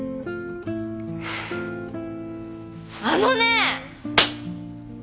あのね。